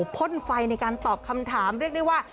พ่นไฟในการตอบคำถามเรียกได้ว่า